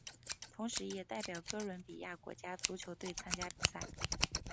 同时也代表哥伦比亚国家足球队参加比赛。